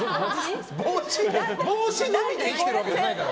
帽子のみで生きてるわけじゃないから！